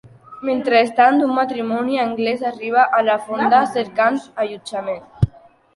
Mentrestant, un matrimoni anglès arriba a la fonda cercant allotjament.